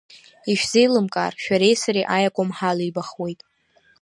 Ишәзеилымкаар, шәареи сареи аиакәым ҳалибахуеит!